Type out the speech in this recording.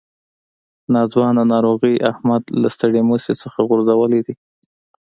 ناځوانه ناروغۍ احمد له ستړي مشي نه غورځولی دی.